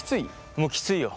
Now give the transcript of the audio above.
もうきついよ。